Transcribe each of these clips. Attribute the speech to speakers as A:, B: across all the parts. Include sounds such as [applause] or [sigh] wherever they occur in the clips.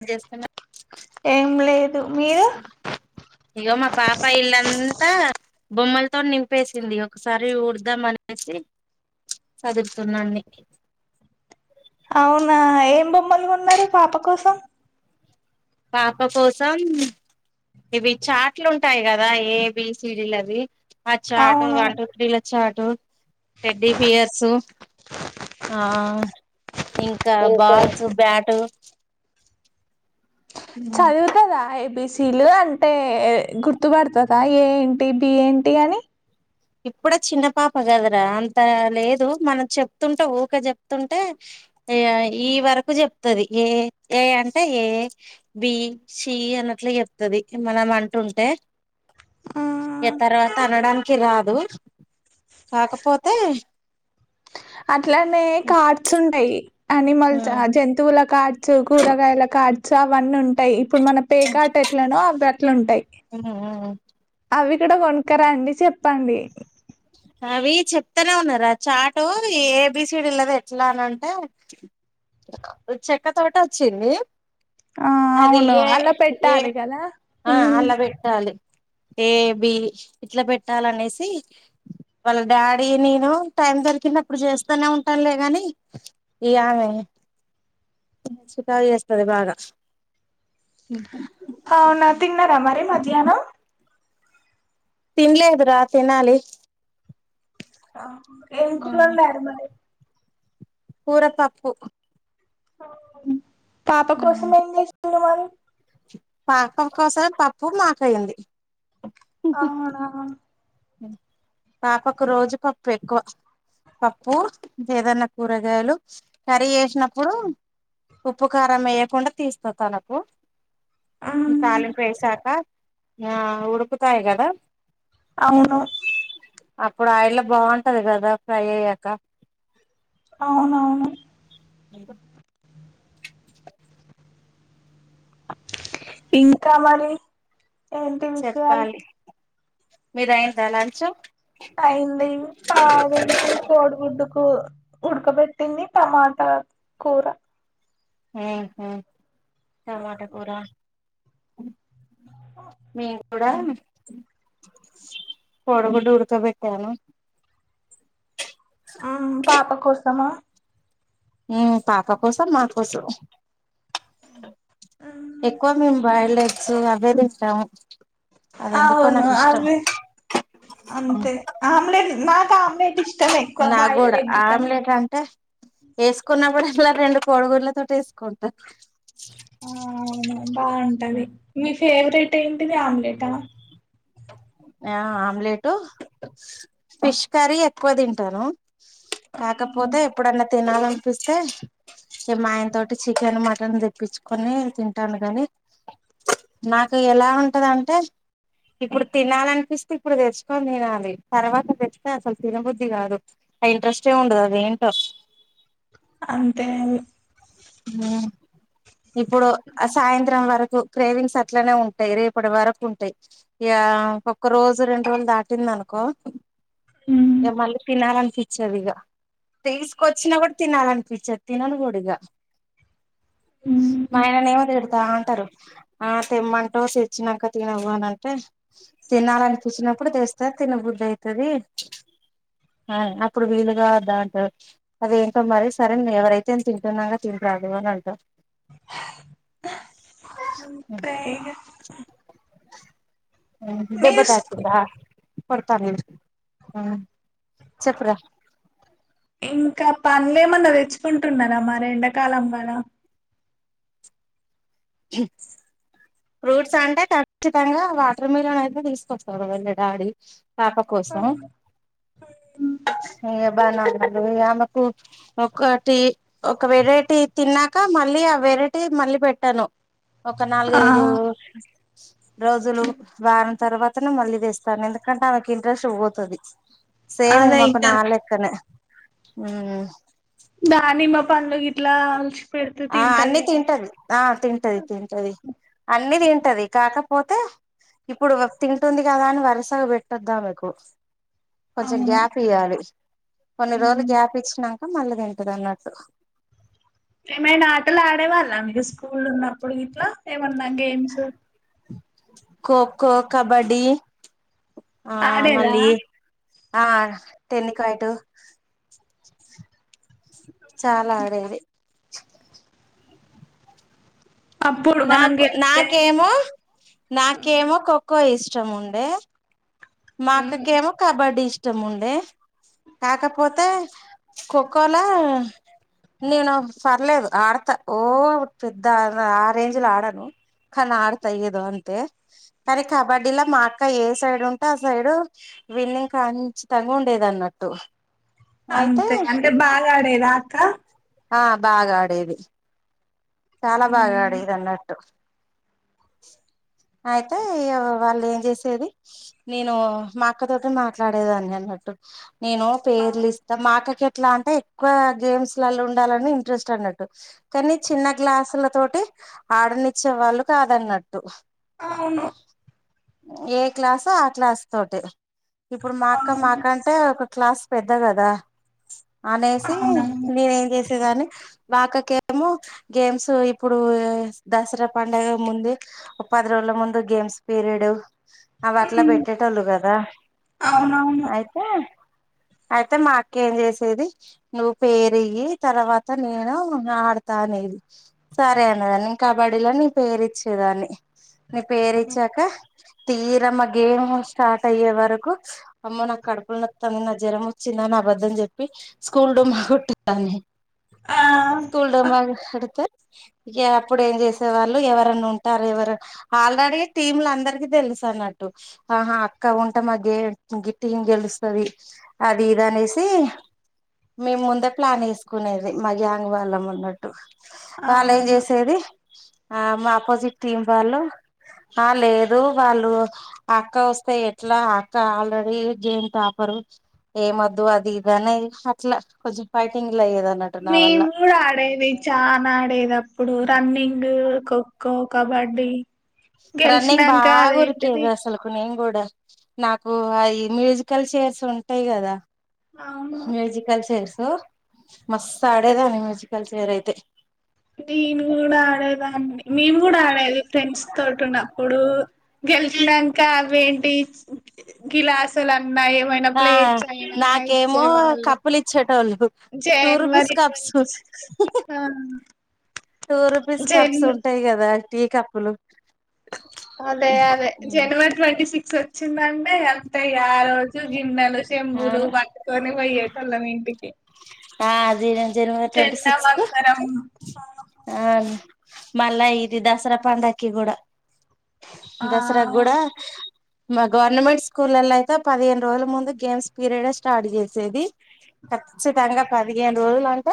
A: ఏం చేస్తాన్నా
B: ఎమ్లేెట్
A: ఇగో మా పాప ఇల్లు అంతా బొమ్మలతో నింపేసింది ఒకసారి ఊడదాం అనేసి చదువుతున్నాండి
B: మమ్మలు ఉన్నారు పాప కోసం
A: పాప కోసం ఇవి చాట్లు ఉంటాయి కదా ఏబి సిడీలు అవి అచ్చా ఆటో
B: అవును
A: వన్ టూ త్రీ చ్చా ఆటో టెడి పియర్సు ఆ ఇంకా బాల్స్ బ్యాట్
B: చదిపోత నా ఏవిస్ చీలు అంటే గుర్తుపడుతుందా ఏ ఏంటి బి ఏంటి అని
A: ఇప్పుడ చిన్న పాప కదరా అంత లేదు మనం చెప్తుంటే ఊక చెప్తుంటే ఈ వరకు చెప్తుది ఏ ఏ అంటే ఏ బి సి అనట్లు చెప్తుంది మనం అంటుంటే తర్వాత అనడానికి రాదు అ కాకపోతే
B: అట్లానే కార్డ్స్ ఉంటాయి అనిమల్స్ జంతువుల కార్డ్స్ కూరగాయల కాార్డ్చు అవన్నీ ఉంటాయి ఇప్పుడు మన పేకాట ఎట్లనో అవి అట్లు ఉంటాయి అవి ఇక్కడ వనుకరా అండి చెప్పండి
A: అవి చెప్తానే ఉన్నారుారా చాటు ఏబిసిీడ లేద ఎట్లా అని అంటే చెక్క తోట వచ్చింది
B: ఆ
A: అది
B: అవును
A: ఏ
B: అలా
A: ఏ
B: పెట్టాలి కదా
A: ఆ అలా పెట్టాలి ఏ బి ఇట్లా పెట్టాలనేసి వాళ్ళ డాడీ నేను టైం దొరికిన అప్పుడు చేస్తూనే ఉంటానులేగాని ఇ స సుఖయి వస్తంది బాగా
B: అవునా తిన్నారా మరి మధ్యాహ్నం
A: తిన్లేదరా తినాలి
B: ఆ ఎక మరి
A: పఊరపప్పు
B: పాప కోసం ఎ మా
A: పాపం కోసంే పప్పు మాకయంది
B: అవును అవును
A: పాపకు రోజు పప్పు ఎక్కువ పప్పు ఏదనా కూరగాయలు కర్రీ వేసినప్పుడు ఉప్పుకారం వేయకుండా తీస్త తనకు
B: మ్మ్
A: చాలం ఫైసాకా ఆ ఉడుకుతాయి కదా
B: అవును
A: అప్పుడు ఆయిల్ బాగుంటది కదా ఫ్రై అయ్యాక
B: అవునవును
A: అంట
B: ఇంకా మరి ఏంటి విషయాలు
A: మీర అయిందా లంచం
B: అయింది పాదేంటి కోడిగుడ్డుకు ఉడకబెట్టింది టమాట కూర
A: హ టమాటా కూరా మీ కూడా కూడబడు ఉడుకబట్టను
B: ఆ పాప కోసమా
A: పాప కోసం మా కోసం
B: మ్మ్
A: ఎక్కువ మేము బాయిల్డ్ ఎగ్స్ అవే తింటాము అది ఎందుకో
B: అవును
A: నాకు ఇష్టం
B: అదే అంతే ఆమ్లెట్ నాకు ఆమ్లెట్ ఇష్ట
A: నా కూడా ఆమ్లెట్ అంటే వేసుకున్నప్పుడు ఇలా రెండు కోడి గుడ్లతోటి వేసుకుంటాము
B: ఆ అవునా బాగుంటది మీ ఫేవరెట్ ఏంటిది ఆమ్లెటా
A: ఆ ఆమ్లెట్ ఫిష్ కర్రీ ఎక్కువ తింటాను కాకపోతే ఎప్పుడన్నా తినాలనిపిస్తే ఏ మా ఆయన తోటి చికెన్ మటన్ తెప్పించుకొని కని తింటాను కాగాని నాకు ఎలా ఉంటాడంటే ఇప్పుడు తినాలినిపిస్తే ఇప్పుడు తెచ్చుకొని తినాలి తర్వాత తెస్తే అసలు తినబుద్ధి కాదు ఆ ఇంట్రెస్ట్ ఉండదు అది ఏంటో
B: అంతే అది
A: ఉమ్ ఇప్పుడు సాయంత్రం వరకు క్రేవింగ్స్ అట్లనే ఉంటాయి రేపటి వరకు ఉంటాయి ఒక రోజు రెండు రోజులు దాటింది అనుకో
B: ఉమ్.
A: మళ్ళీ తినాలనీ పంచదు ఇగ తీసుకొచ్చినా కూడా తినాలని పించదు తినను కూడా ఇక మా
B: ఉమ్.
A: ఆయన ఏమో ా అంటారు ఆ తేమంటావు తెచ్చినాక తినవు అని అంటే తినాలనిపంచి నప్పుడు న్నప్పుడు తెస్తారు తినబుద్ధి అయితాది ఆ అప్పుడు వీలుగా వద్దా అంట అద ఏంటో మరి సరే ఎవరైతే అ తింటున్నా కదా అదు అనంత
B: అంతే ఇగ మీ
A: దెబ్బ
B: స్కూ
A: తాగిందా కొడతాను చెప్పురా
B: ఇంకా పనులే ఏమన్నా తెచ్చుకుంటున్నారా మరి ఎండాకాలం వల
A: ఎ [unintelligible] ఫ్రూట్స్ అంటే ఖచ్చితంగా వాటర మిలన్ అయితే తీసుకొస్తారు వీళ్ల డాడీ పాప కోసం ఇ బనానాలు ఇక ఆమెకు ఒకటి ఒక వెరైటీ తిన్నాక మళ్ళీ ఆ వెరైటీ మళ్ళీ పెట్టను ఒక
B: ఆ
A: నాలుగైదు రోజులు వారం తర్వాతనే మళ్ళీ తెస్తాను ఎందుకంటే ఆమెకి ఇంట్రెస్ట్ పోతాది సేమ్
B: అదే
A: ఈమేకు
B: ఇంకా
A: నా లెక్కనే హమ్
B: దాని మా పనులు గిట్లా పెడితే
A: ఆ
B: తింటది
A: అన్ని
B: కదా
A: తింటాది ఆ తింటాది తింటది అన్ని తింటది కాక పోతే ఇప్పుడు తింటుంది కదా అని వరుసగా పెట్టొద్దా మీకు కొంచెం
B: అవును
A: గ్యాప్ ఇయ్వాలి కొన్ని రోజులు
B: ఉమ్.
A: గ్యాప్ ఇచ్చినాక మళ్ళీ తింటాడి అన్నట్టు
B: ఏమైనా ఆటలు ఆడే వాళ్ళ మీరు స్కూల్ ఉన్నప్పుడు ఇట్లా ఏమన్నా గేమ్స్
A: ఖోఖో కబడ్డీ ఆ
B: ఆడేదా
A: మళ్ళీ ఆ టెన్నికోయిటు చాలా ఆడేది
B: అప్పుడు మనం
A: నాకు
B: గెలితే
A: నాకేమో నాకేమో ఖో ఖో ఇష్టం ఉండే మా అక్క
B: ఉమ్.
A: కేమో కబడ్డీ ఇష్టం ఉండే కాకపోతే ఖో ఖో లో నేను పర్లేదు ఆడతా ఓ పెద్ద ఆ రేంజ్ లో ఆడాను, కాని ఆడతా ఏదో అంతే కానీ కబడ్డీలో మా అక్క ఏ సైడ్ ఉంటు, ఉంటా సూడు ఇగా నేను కచ్చితంగా ఉండేదాని అట్టు,
B: అంతే అంటే బాగా ఆడేదా అక్కా
A: ఆ బాగా ఆడేది చాలా బాగా
B: ఉమ్.
A: ఆడేది అన్నట్టు, అయితే వాళ్ళు ఏం చేసేది. నేను మా అక్కతోటి మాట్లాడేదాన్ని అన్నట్టు నేను
B: ఆ
A: పేర్లు ఇస్తాం మా అక్క కె ఇట్లా అంటే ఎక్కువ గేమ్స్ లో ఉండాలని ఇంట్రెస్ట్ అన్నట్టు కానీ చిన్న క్లాస్ ల తోటి ఆడనిచ్చే వాళ్ళు కాదన్నట్టు,
B: అవును
A: ఏ క్లాసు ఆ క్లాస్ తోటే ఇప్పుడు మా అక్క
B: అవును
A: మాకంటే ఒక క్లాస్ పెద్ద కదా అనేసి
B: అవునవును
A: నేనే ఏం చేసి కాని మా అక్కకేమో గేమ్స్ ఇప్పుడు దసరా పండుగ ముందు, ఒ పది రోజుల ముందు గేమ్స్ పీరియడు, అవి అట్లా
B: మ్మ్
A: పెట్టేటోళ్ళు కదా
B: అవునవును
A: అయితే అయితే మా అక్కేం చేసేది నువ్వు పేరుయ్యి తర్వాత నేను ఆడతాను, అది సరే అన్నేదాని నేను కబడ్డీలో ని పేరు ఇచ్చేదాన్ని, నా పేరిచ్చాక తీర మా గేముల స్టార్ట్ అయ్యే వరకు అమ్మ నాకు కడుపులు నోతంది, నాకు జ్వరం వచ్చిందని అబద్దం చెప్పి స్కూ స్కూల్ డుమా కొటేదాని
B: ఆ
A: స్కూల్
B: ఆ,
A: డోమా కోడితే, ఇక అప్పుడు ఏం చేసే వాళ్ళు ఎవరని ఉంటారు, ఎవరు ఆల్రెడీ టీమ్లు అందరికి తెలుసు సన్నటు ఆహా అక్క ఉంటా మా గే గిట్టి ఇం గెలుస్తుంది. అది ఇది అనేసి మేము ముందే ప్లాన్ వేసుకునేది, మా గ్యాంగ్ వాళ్ళం ఉన్నట్టు, వాళ్ళు ఏం
B: అవును
A: చేసేది. ఆ మా అపోజిట్ టీమ్ వాళ్ళు, వాళ్ళు ఏదో వాళ్ళు, అక్క వస్తే ఎట్లా అక్క ఆల్రెడీ గేమ్ టపరు ఏమ్ వద్దు అది ఇది అనేది, అట్లా కొంచెం పైకిఅన్ని పే
B: మేము కూడా ఆడేది చానా ఆడేది అప్పుడు running, running, kho kho, kabaddi
A: running
B: గెలిచినాక
A: బాగా
B: అదేంటిది
A: ఉరికెది అసలు ముందు నాకు అవి మ్యూజికల్ చైర్స్ ఉంటాయి. కదా
B: అవును
A: మ్యూజికల్ చైర్సు మస్త్ ఆడేదాని మ్యూజికల్ చైర్ అయితే,
B: నేను కూడా ఆడేదాన్ని మేము కూడా ఆడేది ఫ్రెండ్స్ తోటి ఉన్నప్పుడు, గెలిచినాక అవేంటి గ్లాసులు, మరి ఏవైనా
A: ఆ
B: ప్లేట్స్ అయినా
A: నాకేమో
B: ఇచ్చే వాళ్ళు,
A: కప్పులు ఇచ్చేటోళ్ళు టూ రూపీస్
B: జనవరి
A: cups
B: twenty six
A: two rupees cups
B: జన్
A: ఉంటాయి. కదా టీ కప్పులు
B: అదే అదే జనవరి ట్వంటీ సిక్స్ వచ్చిందంటే అంతే ఆ రోజు గిన్నెలు చెంబులు
A: అవును
B: పట్టుకొని పోయ్యే కొందరు ఇంటికి
A: ఆ జన జనవరి ట్వంటీ
B: జెండా
A: సిక్స్ కు
B: వందనం
A: ఆ మళ్ళ ఇది దసరా పండగ కి కూడా,
B: ఆ
A: దసరా కూడా మా గవర్నమెంట్ స్కూల్లో అయితే పదిహేను రోజుల ముందు గేమ్స్ పీరియడ్ స్టార్ట్ చేసేది. ఖచ్చితంగా పదిహేను రోజులు అంటే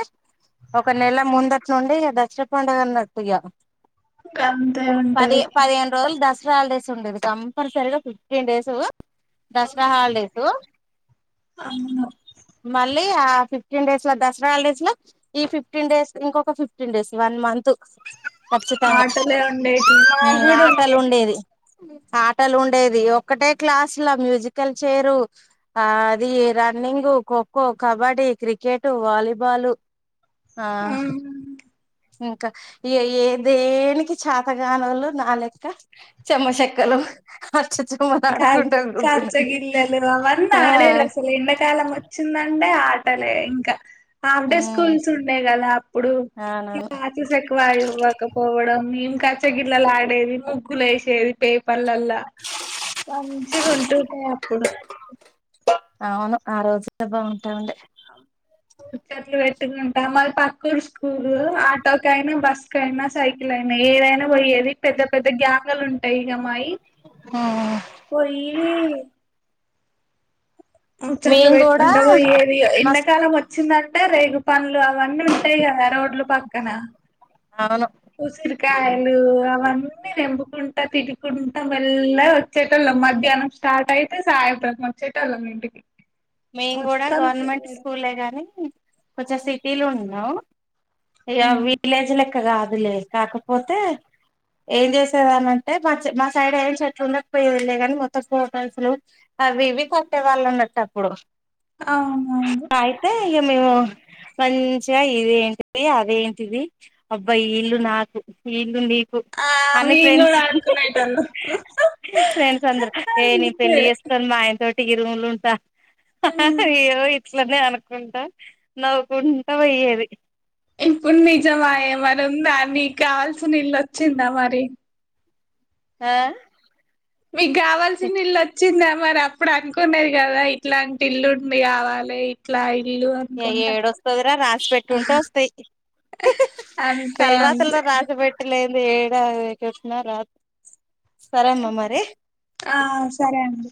A: ఒక నెల ముందటి నుండి, దసరా పండగ అనట్టు ఇగా
B: గంతే
A: పది
B: ఉంటది
A: పదిహేను రోజలు ద హాలిడేస్ ఉండేది కంపల్సరీగా ఫిఫ్టీన్ డేస్ దసరా హాలిడేసు
B: అవును
A: మళ్ళీ ఆ ఫిఫ్టీన్ డేస్ దసరా హాలీడేస్ లో ఈ ఫిఫ్టీన్ డేస్ ఇంకొక fifty fifteen days one month ఖచ్చితంగా
B: ఆటలే ఉండేటివి
A: హు
B: మాకు కూడా
A: ఆటలు
B: ఉండేటివి
A: ఉండేది ఆటలు ఉండేది ఒక్కటే క్లాసు లో మ్యూజికల్ చైర్ ఆ అది రండింగు cocoa kabaddi kabaddi cricket volleyball
B: అ
A: ఇంకా ఏ దేనికి చేతగానోళ్లు నా లెక్క చెమ్మ చెెక్కలు లో [inaudible]
B: కా కాచ్చగిల్లలు అవన్నీ
A: ఆ
B: ఆడేది అసలు ఎండాకాలం వచ్చిందంటే ఆ ట్టలే ఇంకా హాఫ్ డే
A: ఉమ్
B: స్కూల్స్ ఉండే కదా అప్పుడు, స్కూల్
A: అవునవును
B: కు వచ్చి సక్కగా ఆడికి పోవా కపోవడం ఏం కాచగిల్లలాడేది ను ముగ్గులు వేసేది పేపర్లలో మంచిగా ఉంటుండే అప్పుడు,
A: అవును ఆ రోజు చెబా
B: ముచ్చట్లు పే ట్టుకుంటా మాది పక్క ఊరి స్కూలు ఆటోకయినా బస్ కు అయినా సైకిల్ అయినా ఏదైనా పోయ పెద్ద పెద్ద గ్యాంగలు ఉంటాయి ఇగ మాయి
A: ఉమ్
B: పోయి ముచ్చట్లు
A: మేము కూడా
B: పెట్టుకుంట పోయేది
A: మస్
B: ఎండకాలం వచ్చిందంటే రేగు పండ్లు అవన్నీ ఉంటాయి రోడ్లు పక్కన
A: అవును
B: ఉసిరికాయలు అవన్నీ తెంపుకుంటా తినుకుంటా మెల్లగా వచ్చేటోళ్ళం మధ్యాహ్నం స్టార్ట్ అయితే సాయప్రం వచ్చేటోళ్ళం ఇంటికి
A: మేము కూడా
B: మొత్తం
A: గవర్నమెంట్
B: తిరగడం
A: స్కూలే గానీ కొంచెం సిటీ లో ఉన్నాం ఇగ
B: ఉమ్
A: విలేజ్ లా ఇంకా కాదులే కాకపోతే ఏం చేసేదా అనింటే మా మా సైడ్ ఏయిం చెట్లు ఉండకపోయేదిలే నీ మొత్తం ఫోటోస్లు అవి ఇవి కట్టేవాళ్ళు అన్నట్టు అప్పుడు
B: అవునవును
A: ఇగ మేము మంచిగా ఇదేంటి అదేంటిది అబ్బా ఈ ఇల్లు నాకు ఇల్లు నీకు
B: ఆ
A: [inaudible] అని
B: మేము
A: ఫ్రెండ్స్
B: కూడా ఆడుకునేటోళ్ళం
A: ఫ్రెండ్స్ అందరు ఏ ని
B: అంతే
A: పెళ్లి చేసుకొని మా ఆయనతోని టి ఈ రూమ్ లో ఉంటా
B: ఉమ్
A: అయ్యో అట్లనే అనుకుంటా నవ్వుకుంటా పోయ్యేది
B: ఇప్పుడు నిజమాయే మరి ఉందా నీ కావాల్సిన ఇల్లు వచ్చిందా మరి
A: ఆహ
B: మీకు కావాల్సిన ఇల్లు వచ్చిందా మరి మరి అప్పుడు అనుకునేది కదా ఇట్లాంటి ఇల్లుండి కావాలి ఇట్లా ఇల్లు అనుకుంటా
A: ఏడ వస్తదిరా రాసి పెట్టుకుంటా వస్తాయి
B: అంతే
A: తలరాతల
B: అంతే
A: రాసి పెట్టి లేదు అ ఏడ వేకి వచ్చిన రాదు సరే అమ్మ మరి
B: ఆ సరే అండి